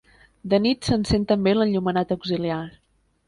De nit s'encén també l'enllumenat auxiliar.